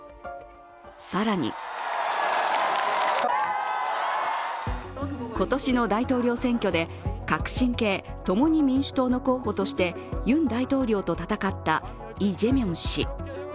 更に今年の大統領選挙で革新系、共に民主党の候補としてユン大統領と戦ったイ・ジェミョン氏。